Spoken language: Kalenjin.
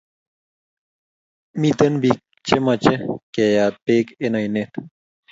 Miten pik che mache keyat peek en oinet